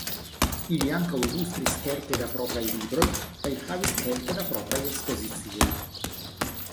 Li ankaŭ ilustris kelke da propraj libroj kaj havis kelke da propraj ekspozicioj.